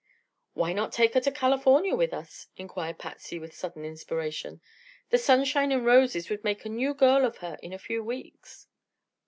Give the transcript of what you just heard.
"Why not take her to California with us?" inquired Patsy, with sudden inspiration. "The sunshine and roses would make a new girl of her in a few weeks."